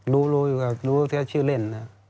รู้รู้แค่ชื่อเล่นนะ